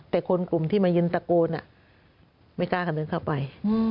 แต่คนกลุ่มที่มายืนตะโกนไม่กล้ากันเดินเข้าไป